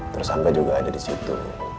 terus angga juga ada disitu